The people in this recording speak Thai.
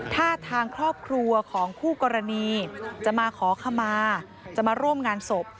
ถ้าทางครอบครัวของคู่กรณีจะมาขอขมาจะมาร่วมงานศพ